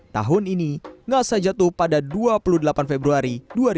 tahun ini ngasa jatuh pada dua puluh delapan februari dua ribu dua puluh